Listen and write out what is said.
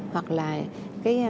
hoặc là cái